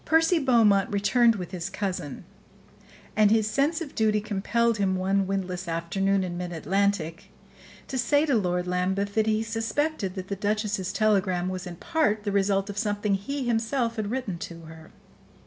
Percy Beaumont returned with his cousin, and his sense of duty compelled him, one windless afternoon, in mid Atlantic, to say to Lord Lambeth that he suspected that the duchess's telegram was in part the result of something he himself had written to her.